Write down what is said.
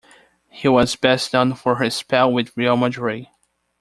He was best known for his spell with Real Madrid.